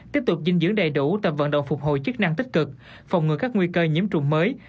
tiếp tục dinh dưỡng đầy đủ tập vận động phục hồi chức năng tích cực phòng ngừa các nguy cơ nhiễm trùng mới